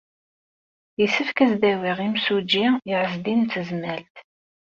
Yessefk ad as-d-awiɣ imsujji i Ɛezdin n Tezmalt.